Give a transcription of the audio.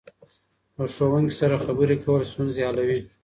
له ښوونکي سره خبرې کول ستونزې حلوي.